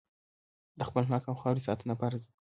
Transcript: د خپل حق او خاورې ساتنه فرض ده.